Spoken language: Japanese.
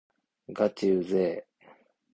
がちうぜぇ